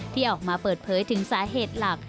ที่ออกมาเปิดเผยถึงสาเหตุหลัก